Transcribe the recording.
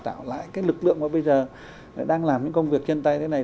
tạo lại cái lực lượng mà bây giờ đang làm những công việc chân tay thế này